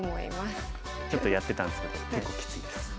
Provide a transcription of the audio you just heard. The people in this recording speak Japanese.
ちょっとやってたんですけど結構きついです。